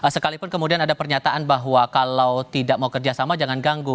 sekalipun kemudian ada pernyataan bahwa kalau tidak mau kerjasama jangan ganggu